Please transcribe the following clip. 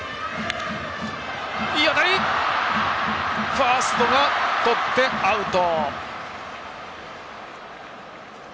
ファースト、清宮がとってアウト。